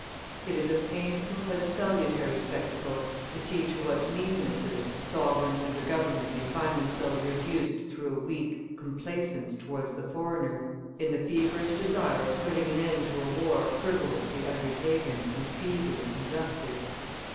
It is a painful but a salutary spectacle to see to what meannesses a sovereign and a government may find themselves reduced through a weak complaisance towards the foreigner, in the feverish desire of putting an end to a war frivolously undertaken and feebly conducted.